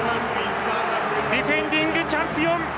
ディフェンディングチャンピオン